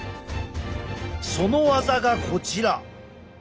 その技がこちら。